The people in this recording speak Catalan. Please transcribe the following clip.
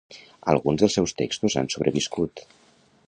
Alguns dels seus textos han sobreviscut.